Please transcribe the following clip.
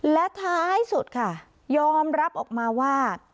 และท้ายสุดค่ะยอมรับออกมาว่า